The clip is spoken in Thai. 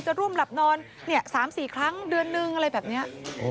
ร่วมหลับนอน๓๔ครั้งเดือนนึงอะไรแบบนี้